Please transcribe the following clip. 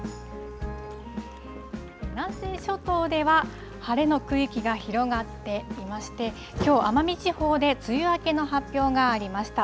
南西諸島では晴れの区域が広がっていまして、きょう、奄美地方で梅雨明けの発表がありました。